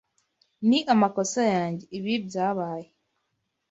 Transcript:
Ni amakosa yanjye ibi byabaye.